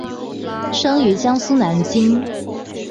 生于江苏南京。